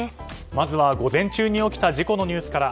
まずは午前中に起きた事故のニュースから。